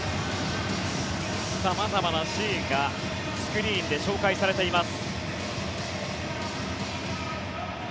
様々なシーンがスクリーンで紹介されています。